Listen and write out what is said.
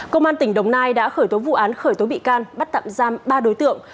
công an tỉnh đồng nai đã khởi tố vụ án khởi tố bị can bắt tạm giam ba đối tượng